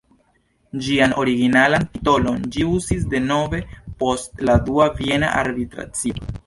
Ĝian originalan titolon ĝi uzis denove post la dua Viena arbitracio.